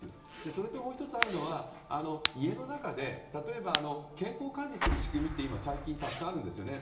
それともう１つあるのは家の中で例えば、健康管理する仕組みは今、最近たくさんあるんですね。